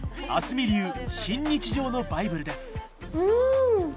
海流新日常のバイブルですん！